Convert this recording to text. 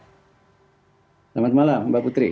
selamat malam mbak putri